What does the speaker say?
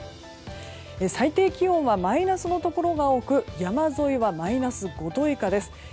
最低気温はマイナスのところが多く山沿いはマイナス５度以下です。